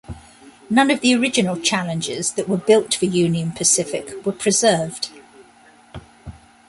None of the original Challengers that were built for Union Pacific were preserved.